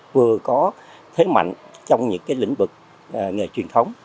vừa có thế mạnh trong những lĩnh vực nghề truyền thống